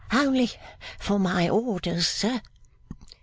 'Only for my orders, sir.